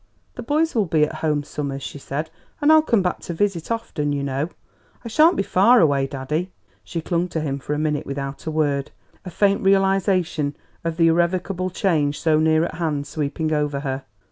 "The boys will be at home summers," she said, "and I'll come back to visit often, you know. I sha'n't be far away, daddy." She clung to him for a minute without a word, a faint realisation of the irrevocable change so near at hand sweeping over her.